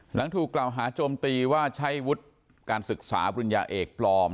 หลังถูกกล่าวหาโจมตีว่าใช้วุฒิการศึกษาปริญญาเอกปลอม